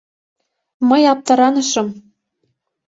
Мый аптыранышым.